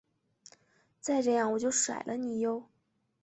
再这样我就甩了你唷！